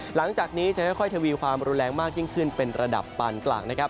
หลังจากนี้จะค่อยทวีความรุนแรงมากยิ่งขึ้นเป็นระดับปานกลางนะครับ